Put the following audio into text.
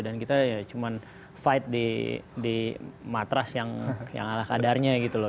dan kita ya cuma fight di matras yang ala kadarnya gitu loh